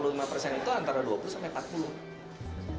itu antara dua puluh sampai empat puluh